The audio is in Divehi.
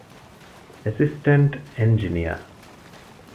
އެސިސްޓެންޓް އެންޖިނިއަރ